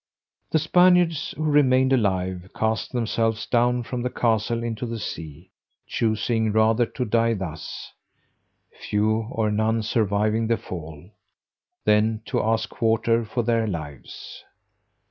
The Spaniards, who remained alive, cast themselves down from the castle into the sea, choosing rather to die thus (few or none surviving the fall) than to ask quarter for their lives.